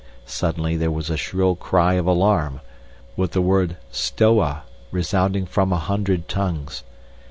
Suddenly there was a shrill cry of alarm, with the word "Stoa" resounding from a hundred tongues.